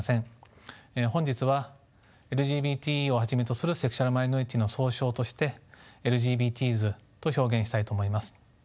本日はＬＧＢＴをはじめとするセクシュアルマイノリティーの総称としてＬＧＢＴｓと表現したいと思います。